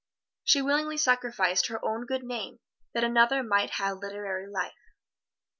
She willingly sacrificed her own good name that another might have literary life.